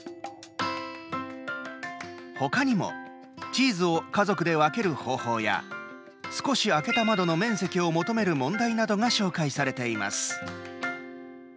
ほかにもチーズを家族で分ける方法や少し開けた窓の面積を求める問題などが紹介されています。